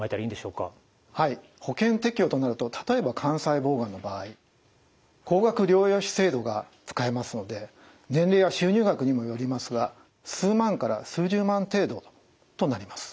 保険適用となると例えば肝細胞がんの場合高額療養費制度が使えますので年齢や収入額にもよりますが数万から数十万程度となります。